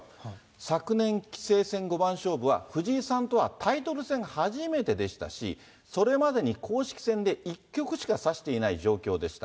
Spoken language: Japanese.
昨年、棋聖戦五番勝負は藤井さんとはタイトル戦初めてでしたし、それまでに公式戦で１局しか指していない状況でした。